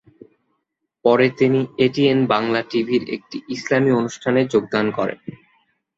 পরে তিনি এটিএন বাংলা টিভির একটি ইসলামি অনুষ্ঠানে যোগদান করেন।